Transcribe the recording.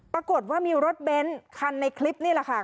ปรากฏว่ามีรถเบนท์คันในคลิปนี่แหละค่ะ